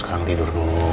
sekarang tidur dulu